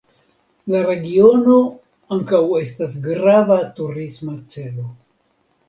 La regiono ankaŭ estas grava turisma celo.